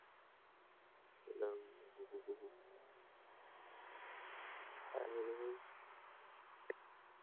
The scenes unfold continuously.